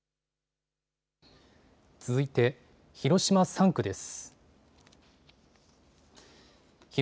続いて広島３区です。